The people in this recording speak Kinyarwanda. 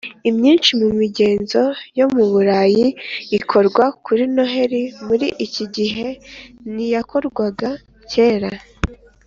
Imyinshi mu migenzo yo mu Burayi ikorwa kuri Noheli muri iki gihe n iyakorwaga kera